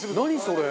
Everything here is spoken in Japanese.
それ！